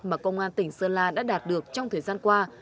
mà công an tỉnh sơn la đã đạt được trong thời gian qua